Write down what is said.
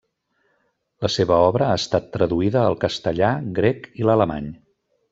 La seva obra ha estat traduïda al castellà, grec i l'alemany.